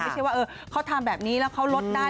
ไม่ใช่ว่าเขาทำแบบนี้แล้วเขาลดได้